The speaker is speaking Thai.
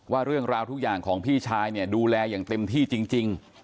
ว่าเรื่องราวทุกอย่างของพี่ชายเนี่ยดูแลอย่างเต็มที่จริง